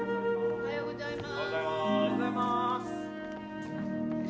おはようございます。